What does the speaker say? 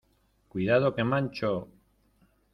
cuidado, que mancho.